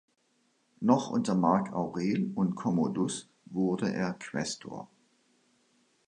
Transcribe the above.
Noch unter Mark Aurel und Commodus wurde er Quästor.